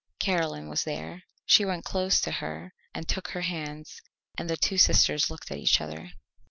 Caroline was there. She went close to her and took her hands, and the two sisters looked at each other.